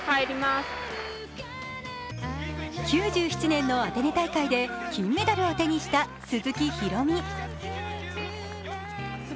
９７年のアテネ大会で金メダルを手にした鈴木博美。